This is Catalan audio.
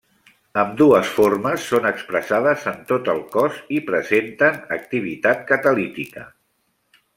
Ambdues formes són expressades en tot el cos i presenten activitat catalítica.